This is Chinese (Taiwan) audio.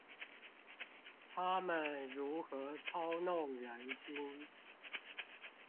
他們如何操弄人心？